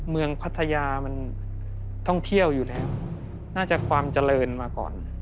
พัทยามันท่องเที่ยวอยู่แล้วน่าจะความเจริญมาก่อน